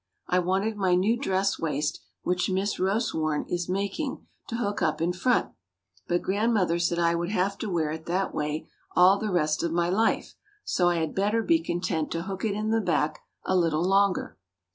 I wanted my new dress waist which Miss Rosewarne is making, to hook up in front, but Grandmother said I would have to wear it that way all the rest of my life so I had better be content to hook it in the back a little longer.